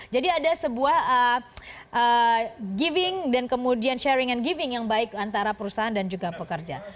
jadi ada sebuah giving dan kemudian sharing and giving yang baik antara perusahaan dan juga pekerja